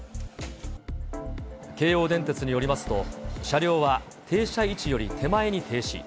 京王電鉄によりますと、車両は停車位置より手前に停止。